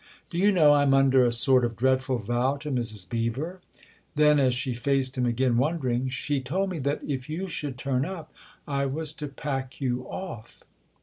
" Do you know I'm under a sort of dreadful vow to Mrs. Beever ?" Then as she faced him again, wondering :" She told me that if you should turn up I was to pack you off."